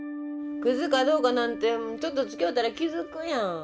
クズかどうかなんてちょっとつきおうたら気付くやん。